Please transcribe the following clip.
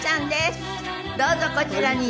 どうぞこちらに。